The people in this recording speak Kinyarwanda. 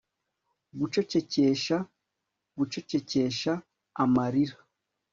Gucecekesha gucecekesha amarira